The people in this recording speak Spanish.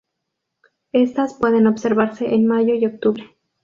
Estas pueden observarse en mayo y octubre.